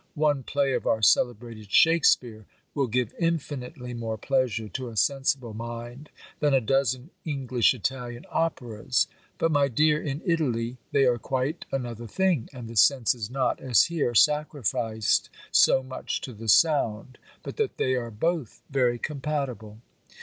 One play of our celebrated Shakespeare will give infinitely more pleasure to a sensible mind than a dozen English Italian operas. But, my dear, in Italy, they are quite another thing: and the sense is not, as here, sacrificed so much to the sound, but that they are both very compatible."